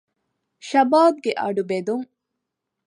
ޝަބާބްގެ އަޑު ބެދުން